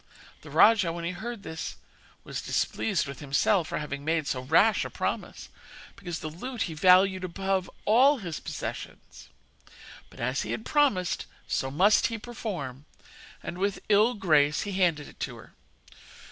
The rajah, when he heard this, was displeased with himself for having made so rash a promise, because this lute he valued above all his possessions. But as he had promised, so he must perform, and with an ill grace he handed it to her.